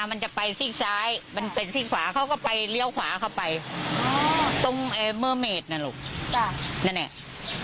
มันจะไปซิกซ้ายมันเป็นซิกขวาเขาก็ไปเลี้ยวขวาเข้าไปตรงนั่นลูกจ้ะนั่นเนี้ย